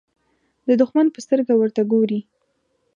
د دښمن په سترګه ورته ګوري.